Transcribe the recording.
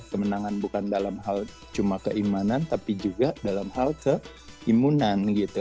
kemenangan bukan dalam hal cuma keimanan tapi juga dalam hal keimunan gitu